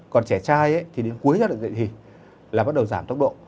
còn trẻ trai thì đến cuối giai đoạn dạy thì là bắt đầu giảm tốc độ